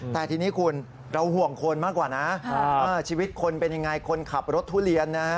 แต่ทีนี้คุณเราห่วงคนมากกว่านะชีวิตคนเป็นยังไงคนขับรถทุเรียนนะ